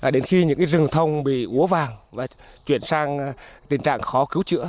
đến khi những rừng thông bị úa vàng và chuyển sang tình trạng khó cứu chữa